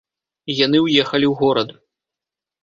Яны ўехалі ў горад.